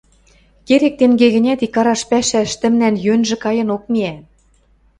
Керек тӹнге гӹнят, икараш пӓшӓ ӹштӹмнӓн йӧнжӹ кайынок миӓ.